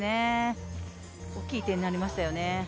大きい１点になりましたね。